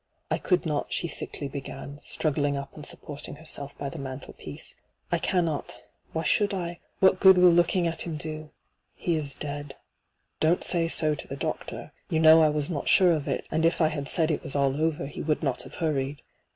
' I could not,' she thiokly b^an, struggling up and supporting herself by the mantelpiece. * I cannot — why should I ? What good will looking at him do ? He is dead.' ' Don't say so to the doctor. You know I was not sure of it ; and if I had said it was ail over he would not have hurried.